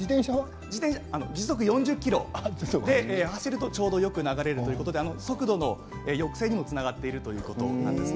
時速４０キロで走るとちょうどメロディーが流れるということで速度の抑制にもつながっているということです。